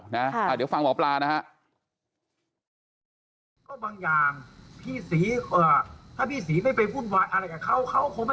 นะฮะเดี๋ยวฟังหมอปลานะฮะค่ะ